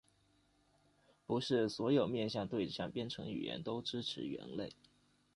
不是所有面向对象编程语言都支持元类。